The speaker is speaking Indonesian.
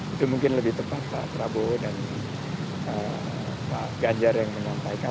itu mungkin lebih tepat pak prabowo dan pak ganjar yang menyampaikan